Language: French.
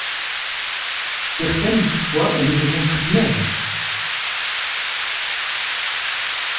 Certaines toutefois ont été construites neuves.